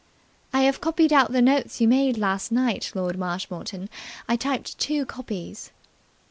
"I have copied out the notes you made last night, Lord Marshmoreton. I typed two copies."